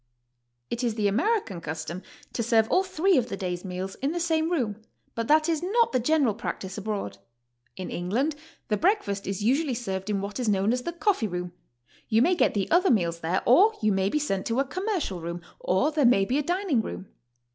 It is the American custom to serve all three of the day's meals in the same room, but that is not the general practice abroad. In England the breakfast is usually served in what is known as the coffee room; yooi may get the other meals there, or you may be sent to a "commercial room," or there may be a dining room.